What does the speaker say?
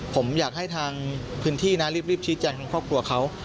ผมอยากให้ทางพื้นที่นะรีบชี้แจงทางครอบครัวเขา